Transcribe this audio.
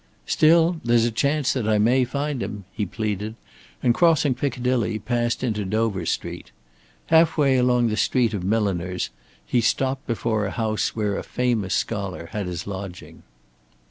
"Still there's a chance that I may find him," he pleaded, and crossing Piccadilly passed into Dover Street. Half way along the street of milliners, he stopped before a house where a famous scholar had his lodging.